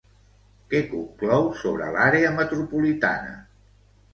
Què conclou sobre l'àrea metropolitana?